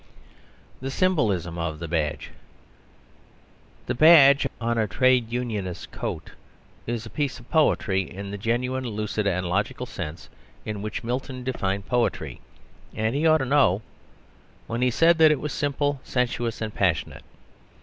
The Symbolism of the Badge The badge on a Trade Unionist's coat is a piece of poetry in the genuine, lucid, and logical sense in which Milton defined poetry (and he ought to know) when he said that it was simple, sensuous, and passionate.